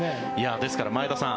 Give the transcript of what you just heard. ですから、前田さん